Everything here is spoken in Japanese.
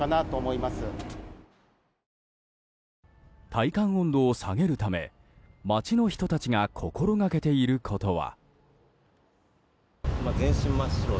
体感温度を下げるため街の人たちが心掛けていることは。